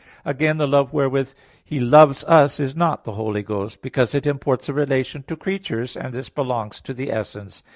Again, the love wherewith He loves us is not the Holy Ghost; because it imports a relation to creatures, and this belongs to the essence.